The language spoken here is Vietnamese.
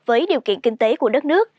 với điều kiện kinh tế của đất nước